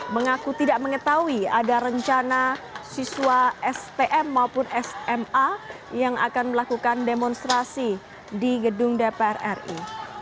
mengaku tidak mengetahui ada rencana siswa stm maupun sma yang akan melakukan demonstrasi di gedung dpr ri